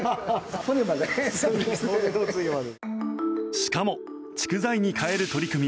しかも、竹財に変える取り組み